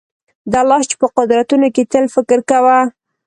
د الله چي په قدرتونو کي تل فکر کوه